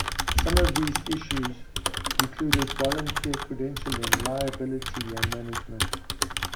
Some of these issues included volunteer credentialing, liability, and management.